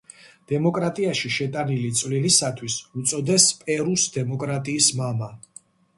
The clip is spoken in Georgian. დემოკრატიაში შეტანილი წვლილისათვის უწოდეს პერუს დემოკრატიის მამა.